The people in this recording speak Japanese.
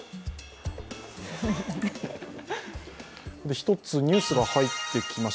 一つ、ニュースが入ってきました